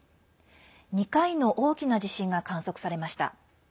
２回の大きな地震が観測されました。